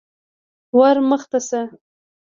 _ور مخته شه.